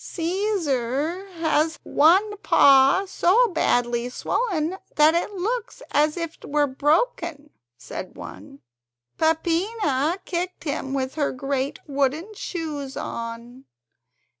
"Caesar has one paw so badly swollen that it looks as if it were broken," said one. "Peppina kicked him with her great wooden shoes on.